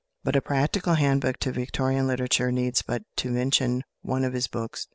But a practical handbook to Victorian literature needs but to mention one of his books.